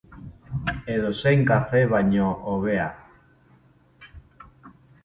Edozein kafe baino hobea.